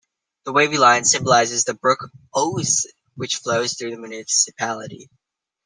The wavy line symbolizes the brook "Oese" which flows through the municipality.